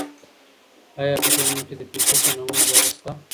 آيا په ټولنه کي د فکري تنوع اجازه سته؟